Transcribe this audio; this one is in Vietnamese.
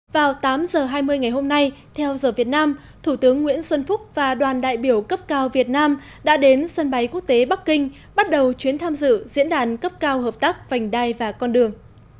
vào tám h hai mươi ngày hôm nay theo giờ việt nam thủ tướng nguyễn xuân phúc và đoàn đại biểu cấp cao việt nam đã đến sân bay quốc tế bắc kinh bắt đầu chuyến tham dự diễn đàn cấp cao hợp tác vành đai và con đường